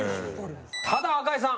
ただ赤井さん。